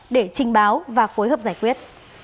để trình báo và phối hợp giải quyết